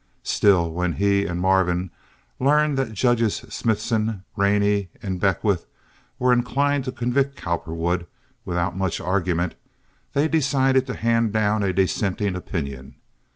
Still, when he and Marvin learned that Judges Smithson, Rainey, and Beckwith were inclined to convict Cowperwood without much argument, they decided to hand down a dissenting opinion.